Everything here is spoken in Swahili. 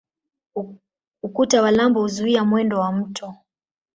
Ukuta wa lambo huzuia mwendo wa mto.